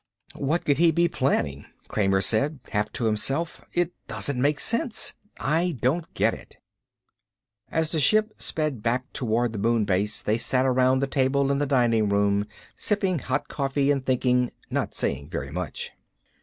"What could he be planning," Kramer said, half to himself. "It doesn't make sense. I don't get it." As the ship sped back toward the moon base they sat around the table in the dining room, sipping hot coffee and thinking, not saying very much.